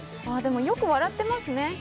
よく笑ってますね。